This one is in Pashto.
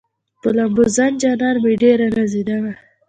په لامبوزن جانان مې ډېره نازېدمه